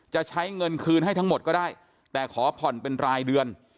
จะใช้เงินคืนให้ทั้งหมดก็ได้แต่ขอผ่อนเป็นรายเดือน